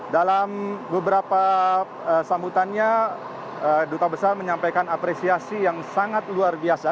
dalam beberapa sambutannya duta besar menyampaikan apresiasi yang sangat luar biasa